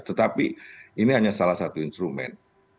tetapi ini hanya salah satu instrumen